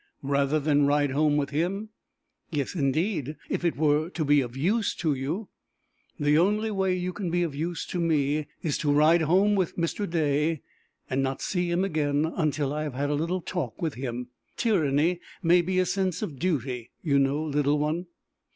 "Rather than ride home with him?" "Yes, indeed, if it were to be of use to you!" "The only way you can be of use to me, is to ride home with Mr. Day, and not see him again until I have had a little talk with him. Tyranny may be a sense of duty, you know, little one!"